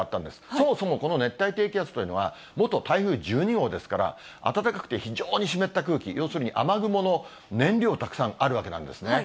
そもそもこの熱帯低気圧というのは、元台風１２号ですから、暖かくて非常に湿った空気、要するに雨雲の燃料、たくさんあるわけなんですね。